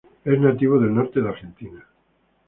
Es nativo del norte de Argentina.